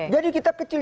jadi kita kecil